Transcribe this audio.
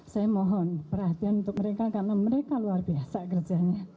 saya mohon perhatian untuk mereka karena mereka luar biasa kerjanya